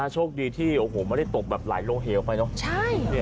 โชคดีที่ไม่ได้ตกหลายโรเฮลออกไปนะ